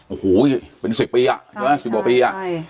โอ้โหเป็น๑๐ปีอ่ะใช่ไหม๑๕ปีอ่ะ